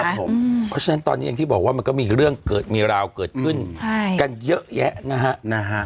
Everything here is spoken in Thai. เพราะฉะนั้นตอนนี้อย่างที่บอกว่ามันก็มีเรื่องเกิดมีราวเกิดขึ้นกันเยอะแยะนะฮะ